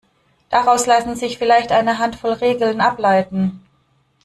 Daraus lassen sich vielleicht eine Handvoll Regeln ableiten.